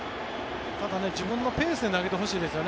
ただ、自分のペースで投げてほしいですよね。